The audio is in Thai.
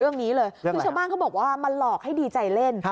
เรื่องนี้เลยคือชาวบ้านเขาบอกว่ามันหลอกให้ดีใจเล่น